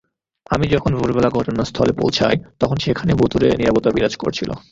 আমি যখন ভোরবেলা ঘটনাস্থলে পৌঁছাই, তখন সেখানে ভুতুড়ে নীরবতা বিরাজ করছিল।